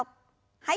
はい。